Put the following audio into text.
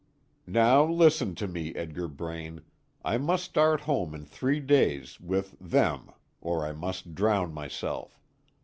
"Now listen to me, Edgar Braine. I must start home in three days, with them, or I must drown myself.